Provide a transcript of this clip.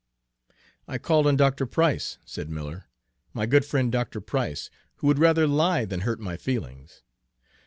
"I called on Dr. Price," said Miller, "my good friend Dr. Price, who would rather lie than hurt my feelings.